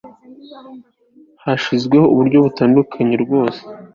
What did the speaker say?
hashyizweho uburyo butandukanye rwose